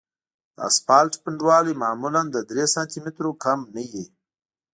د اسفالټ پنډوالی معمولاً له درې سانتي مترو کم نه وي